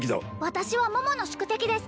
私は桃の宿敵です